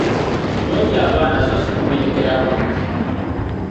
Yonja abaana so si kubirekera bakozi.